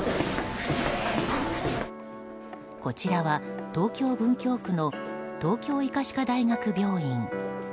こちらは東京・文京区の東京医科歯科大学病院。